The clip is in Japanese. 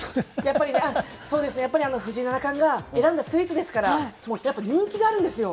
やっぱり藤井七冠が選んだスイーツですから人気があるんですよ。